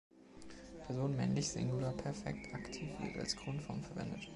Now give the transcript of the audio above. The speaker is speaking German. Person männlich Singular Perfekt aktiv wird als Grundform verwendet.